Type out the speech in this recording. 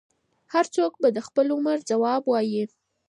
هر څوک به د خپل عمل ځواب وايي.